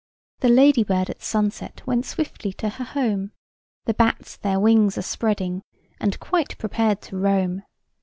The ladybird at sunset Went swiftly to her home ; The bats their wings are spreading, And quite prepared to roam.